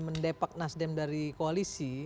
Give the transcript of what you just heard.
mendepak nasdem dari koalisi